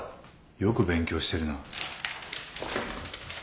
よく勉強してるな。